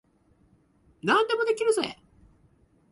何でもできるぜ。